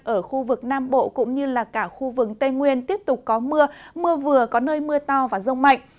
ở khu vực nam bộ cũng như là cả khu vực tây nguyên tiếp tục có mưa mưa vừa có nơi mưa to và rông mạnh